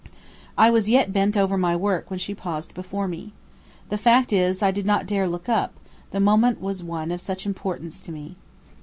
I was yet bent over my work when she paused before me. The fact is I did not dare look up, the moment was one of such importance to me.